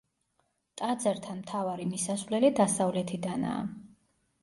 ტაძართან მთავარი მისასვლელი დასავლეთიდანაა.